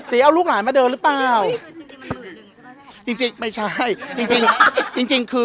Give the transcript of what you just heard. ตีเอาลูกหลานมาเดินหรือเปล่าจริงจริงไม่ใช่จริงจริงจริงจริงจริงคือ